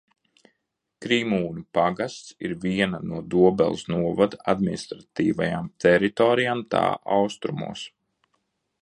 Krimūnu pagasts ir viena no Dobeles novada administratīvajām teritorijām tā austrumos.